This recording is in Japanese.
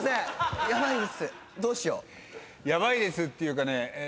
「ヤバいです」っていうかね